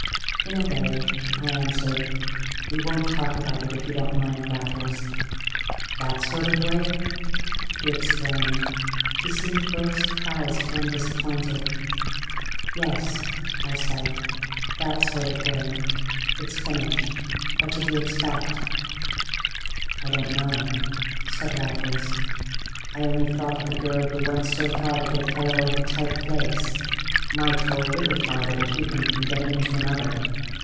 "In a way," I answered. "We won't talk about it, if you don't mind, Raffles." "That sort of way!" he exclaimed. He seemed both surprised and disappointed. "Yes," I said, "that sort of way. It's finished. What did you expect?" "I don't know," said Raffles. "I only thought that the girl who went so far to get a fellow out of a tight place might go a little farther to keep him from getting into another."